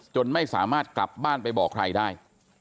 จนไม่สามารถกลับบ้านไปบอกใครได้